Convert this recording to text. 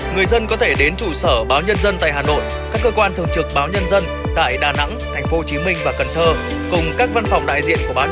người dân có thể đến trụ sở báo nhân dân tại hà nội các cơ quan thường trực báo nhân dân tại đà nẵng tp hcm và cần thơ cùng các văn phòng đại diện của báo nhân dân tại tất cả các tỉnh thành phố theo địa chỉ trên màn hình